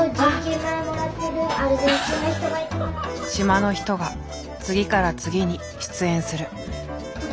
島の人が次から次に出演する。